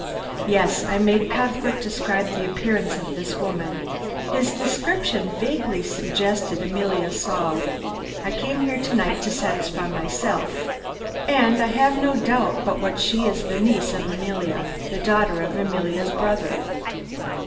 Yes, I made Cuthbert describe the appearance of this woman. His description vaguely suggested Emilia Saul. I came here to night to satisfy myself, and I have no doubt but what she is the niece of Emilia the daughter of Emilia's brother."